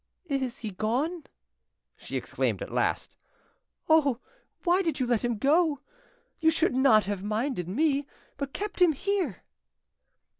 "Is he gone?" she exclaimed at last. "Oh, why did you let him go? You should not have minded me, but kept him here."